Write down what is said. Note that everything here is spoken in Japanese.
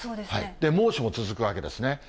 猛暑も続くわけですね。